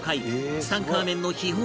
ツタンカーメンの秘宝が待つ